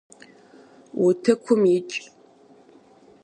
Утыкум икӏ.